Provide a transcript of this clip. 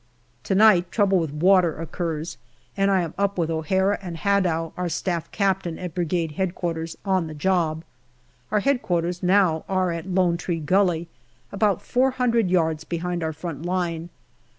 To night, trouble with water occurs, and I am up with O'Hara and Hadow, our Staff Captain, at Brigade H.Q. on the job. Our H.Q. now are at Lone Tree Gully, about four hundred yards behind our front line.